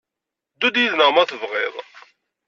Ddu-d yid-neɣ ma tebɣiḍ.